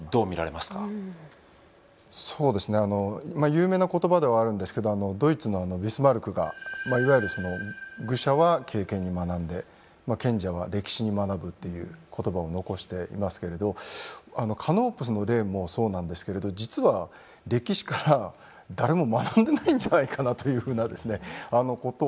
有名な言葉ではあるんですけどドイツのビスマルクがいわゆるその「愚者は経験に学んで賢者は歴史に学ぶ」っていう言葉を残していますけれどカノープスの例もそうなんですけれど実は歴史から誰も学んでないんじゃないかなというふうなことを思ったりします。